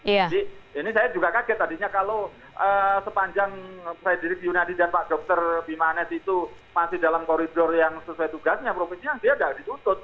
jadi ini saya juga kaget tadinya kalau sepanjang fredrik yunadi dan pak dr bimanet itu masih dalam koridor yang sesuai tugasnya profesinya dia tidak dituntut